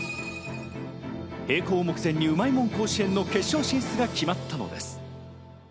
閉校目前にうまいもん甲子園の決勝進出が決まったのです。